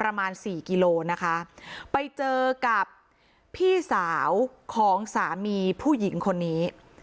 ประมาณสี่กิโลนะคะไปเจอกับพี่สาวของสามีผู้หญิงคนนี้